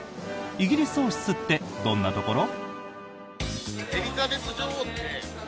イギリス王室ってどんなところ？